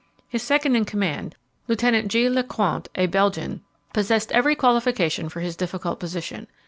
His second in command, Lieutenant G. Lecointe, a Belgian, possessed every qualification for his difficult position.